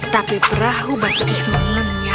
tapi perahu batu itu lenyap